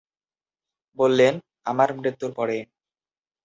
বললেন, আমার মৃত্যুর পরে।